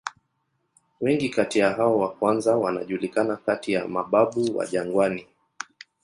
Wengi kati ya hao wa kwanza wanajulikana kati ya "mababu wa jangwani".